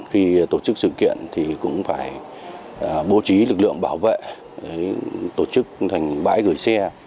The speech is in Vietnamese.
khi tổ chức sự kiện thì cũng phải bố trí lực lượng bảo vệ tổ chức thành bãi gửi xe